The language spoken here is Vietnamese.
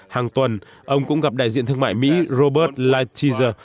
hàng tuần ông cũng gặp đại diện thương mại mỹ robert lighthizer